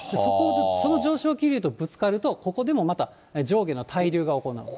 その上昇気流とぶつかると、ここでもまた上下の滞留が行われる。